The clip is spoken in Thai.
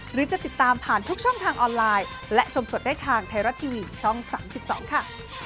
หรือจะติดตามผ่านทุกช่องทางออนไลน์และชมสดได้ทางไทยรัฐทีวีช่อง๓๒ค่ะ